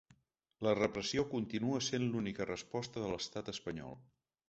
La repressió continua sent l’única resposta de l’estat espanyol.